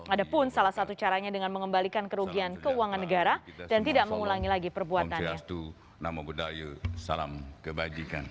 ada pun salah satu caranya dengan mengembalikan kerugian keuangan negara dan tidak mengulangi lagi perbuatannya